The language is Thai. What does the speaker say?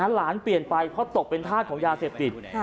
เปลี่ยนไปเพราะตกเป็นธาตุของยาเสพติด